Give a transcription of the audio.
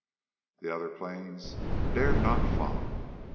The other planes dared not follow.